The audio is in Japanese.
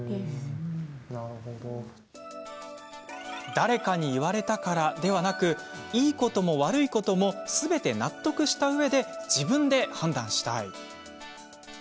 誰かに言われたからではなくいいことも悪いこともすべて納得したうえで自分で判断したい。